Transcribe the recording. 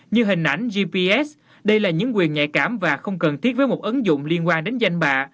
như hình ảnh gps đây là những quyền nhạy cảm và không cần thiết với một ứng dụng liên quan đến danh bạ